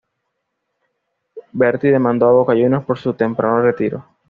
Berti demandó a Boca Juniors por su temprano retiro.